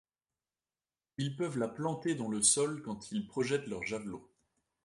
Ils peuvent la planter dans le sol quand ils projettent leurs javelots.